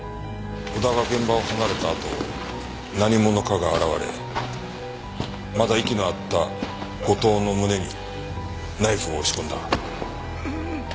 織田が現場を離れたあと何者かが現れまだ息のあった後藤の胸にナイフを押し込んだ。